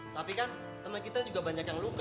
tapi kan teman kita juga banyak yang luka